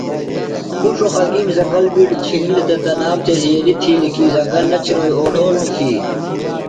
پُݜو خلکِیم زنگل بِیڈی چِھنِلیۡ تہ تنام تھےۡ زیریۡ تِھیلیۡ کی زنگل نہ چِھنوئی اوڈھول نِکھی۔